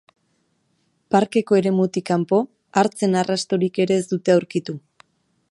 Parkeko eremutik kanpo hartzen arrastorik ere ez dute aurkitu.